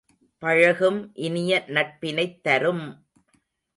பழகும் இனிய நட்பினைத் தரும்!